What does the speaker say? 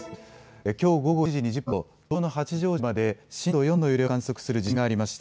きょう午後１時２０分ごろ、東京の八丈島で震度４の揺れを観測する地震がありました。